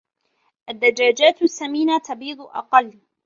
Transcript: الدجاجات السمينة تبيض أقل.